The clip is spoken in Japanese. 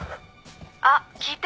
あっ聞いて。